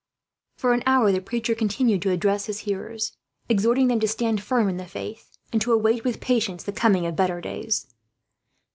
For an hour the preacher continued to address his hearers, exhorting them to stand firm in the faith, and to await with patience the coming of better days.